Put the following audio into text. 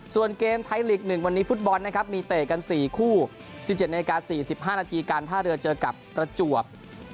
ส่วนเกมไทยลีก๑วันนี้ฟุตบอลนะครับมีเตะกัน๔คู่๑๗นาที๔๕นาทีการท่าเรือเจอกับประจวบ